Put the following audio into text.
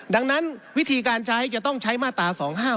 ดังนั้นวิธีการใช้จะต้องใช้มาตรา๒๕๖